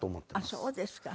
あっそうですか。